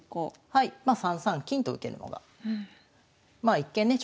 はいまあ３三金と受けるのがまあ一見ね